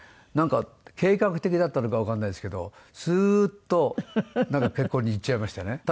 なんか計画的だったのかわからないですけどスーッと結婚にいっちゃいましてね。